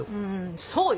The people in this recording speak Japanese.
そうよ。